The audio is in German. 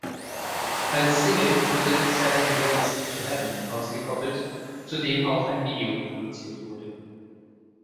Als Single wurde "Seven Ways to Heaven" ausgekoppelt, zudem auch ein Video produziert wurde.